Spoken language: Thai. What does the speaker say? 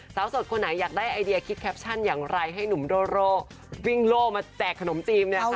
สาวสดคนไหนอยากได้ไอเดียคิดแคปชั่นอย่างไรให้หนุ่มโดโร่วิ่งโล่มาแจกขนมจีนเนี่ยค่ะ